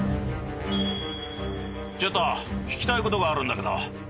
ちょっと聞きたいことがあるんだけど。